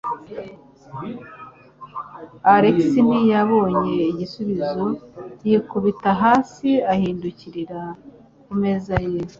Alex ntiyabonye igisubizo, yikubita hasi ahindukirira ku meza ye.